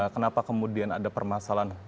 kenapa kemudian ada permasalahan